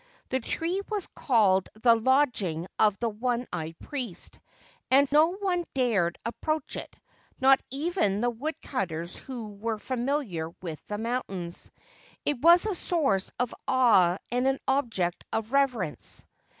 The tree was called the Lodging of the One eyed Priest, and no one dared approach it — not even the woodcutters who were familiar with the mountains. It was a source of awe and an object of reverence.